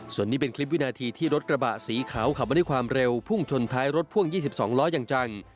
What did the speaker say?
ส่วนนี้เป็นคลิปวินาทีที่รถกระบะสีขาวขับมาด้วยความเร็วพุ่งชนท้ายรถพ่วง๒๒ล้ออย่างจัง